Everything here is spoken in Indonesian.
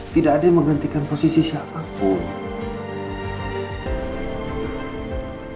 tidak ada yang menggantikan posisi siapapun